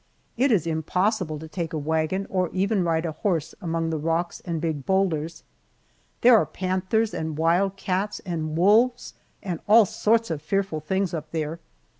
It is impossible to take a wagon, or even ride a horse among the rocks and big boulders. There are panthers and wild cats and wolves and all sorts of fearful things up there.